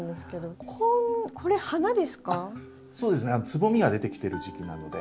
つぼみが出てきてる時期なので。